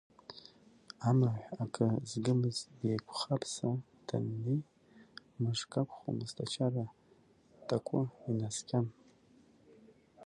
Амаҳә акы згымыз деиқәхаԥса даннеи, мышкы акәхомызт ачара, такәы инаскьан.